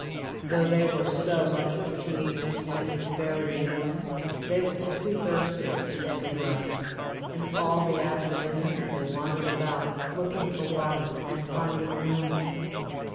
Though they were so much fatigued, and it was very warm, they were too thirsty to think of rest, and all the afternoon they wandered about looking for water and finding none.